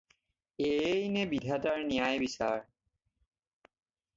এয়েইনে বিধাতাৰ ন্যায় বিচাৰ!